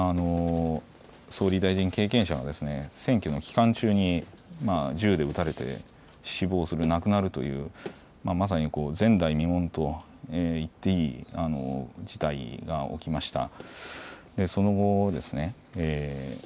総理大臣経験者が選挙の期間中に銃で撃たれて死亡する、亡くなるという、まさに前代未聞と言っていい事態が起きました。